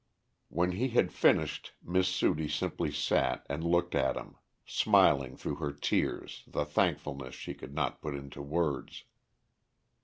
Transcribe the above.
When he had finished Miss Sudie simply sat and looked at him, smiling through her tears the thankfulness she could not put into words.